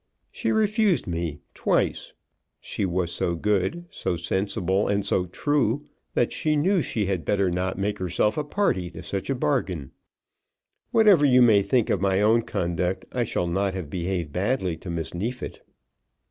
She refused me, twice. She was so good, so sensible, and so true, that she knew she had better not make herself a party to such a bargain. Whatever you may think of my own conduct I shall not have behaved badly to Miss Neefit."